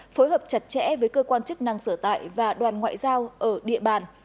phối hợp chặt chẽ với cơ quan chức năng sở tại và đoàn ngoại giao ở địa bàn